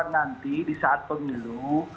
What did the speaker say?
nanti disaat pemilu